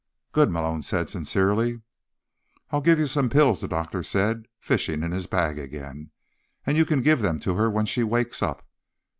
"Good," Malone said sincerely. "I'll give you some pills," the doctor said, fishing in his bag again, "and you can give them to her when she wakes up."